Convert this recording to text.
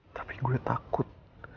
tapi gue takut